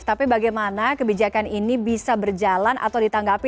tapi bagaimana kebijakan ini bisa berjalan atau ditanggapi